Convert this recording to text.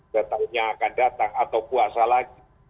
setahunya akan datang atau puasa lagi